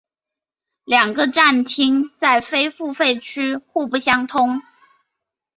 两个站厅在非付费区互不相通。